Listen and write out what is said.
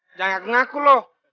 eh jangan ngaku ngaku loh